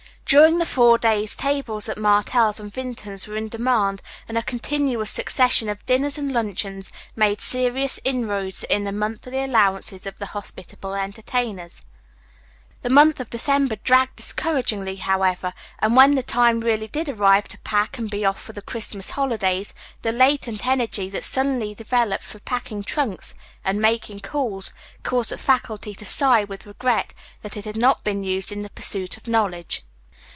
During the four days tables at Martell's and Vinton's were in demand and a continuous succession of dinners and luncheons made serious inroads in the monthly allowances of the hospitable entertainers. The month of December dragged discouragingly, however, and when the time really did arrive to pack and be off for the Christmas holidays the latent energy that suddenly developed for packing trunks and making calls caused the faculty to sigh with regret that it had not been used in the pursuit of knowledge.